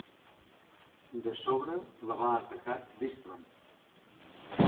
De sobre la va atacar Destron.